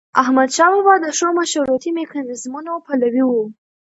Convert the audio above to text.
احمدشاه بابا د ښو مشورتي میکانیزمونو پلوي و.